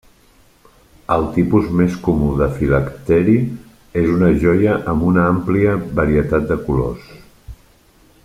El tipus més comú de filacteri és una joia amb una àmplia varietat de colors.